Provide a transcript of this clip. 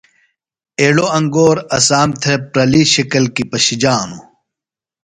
ایڑوۡ انگور اسام تھےۡ پرلی شِکل کیۡ پشِجانوۡ۔